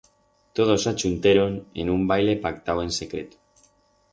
Todos s'achunteron en un baile pactau en secreto.